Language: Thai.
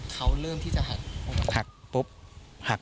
เขาเริ่มที่จะหัก